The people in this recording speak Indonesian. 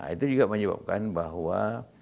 itu juga menyebabkan bahwa